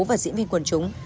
và diễn viên quần chúng